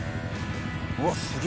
うわっすげえ。